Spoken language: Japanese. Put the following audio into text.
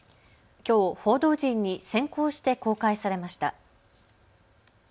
きょう報道陣に先行して公開されました。